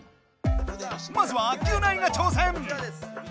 まずはギュナイが挑戦！